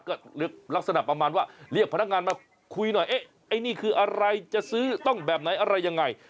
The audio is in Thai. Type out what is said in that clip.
ก็ลักษณะประมาณว่าเรียกพนักงานมาคุยหน่อยเอ๊ะไอ้นี่คืออะไรจะซื้อต้องแบบไหนอะไรยังไง